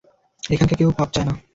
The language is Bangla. এখানকার কেউ পাব চায় না।